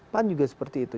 pan juga seperti itu